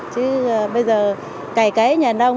chứ bây giờ cày cấy nhà nông